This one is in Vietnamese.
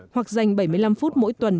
hoặc dành bảy mươi năm phút mỗi tuần